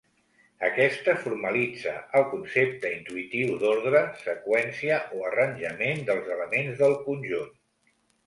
Aquesta formalitza el concepte intuïtiu d'ordre, seqüència, o arranjament dels elements del conjunt.